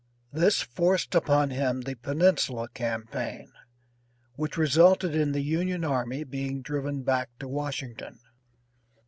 This forced upon him the Peninsula campaign, which resulted in the Union army being driven back to Washington.